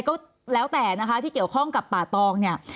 ก็แล้วแต่นะคะที่เกี่ยวข้องกับป่าตองเนี่ย